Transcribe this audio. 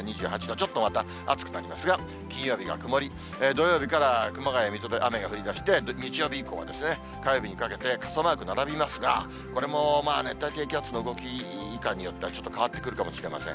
ちょっとまた暑くなりますが、金曜日が曇り、土曜日から熊谷、水戸で雨が降りだして、日曜日以降までですね、火曜日にかけて、傘マーク並びますが、これも熱帯低気圧の動きいかんによっては、ちょっと変わってくるかもしれません。